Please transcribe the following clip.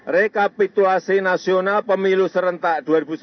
rekapitulasi nasional pemilu serentak dua ribu sembilan belas